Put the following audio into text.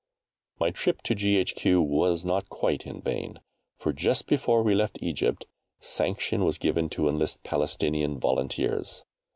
My trip to G.H.Q. was not quite in vain, for just before we left Egypt sanction was given to enlist Palestinian volunteers.